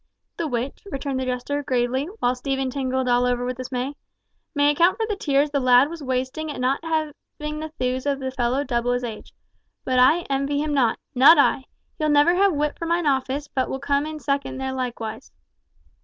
"The which," returned the jester, gravely, while Stephen tingled all over with dismay, "may account for the tears the lad was wasting at not having the thews of the fellow double his age! But I envy him not! Not I! He'll never have wit for mine office, but will come in second there likewise."